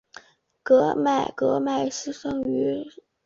戈麦斯生于塔奇拉州一个贫苦的印欧混血种人农民家庭。